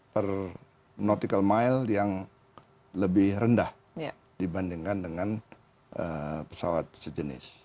per nautical mile yang lebih rendah dibandingkan dengan pesawat sejenis